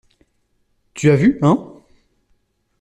Tu as vu, hein?